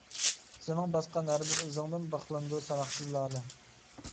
سېنىڭ باسقان ھەر بىر ئىزىڭدىن بىخلىنىدۇ ساناقسىز لالە.